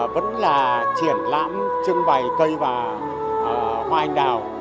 vẫn là triển lãm trưng bày cây và hoa anh đào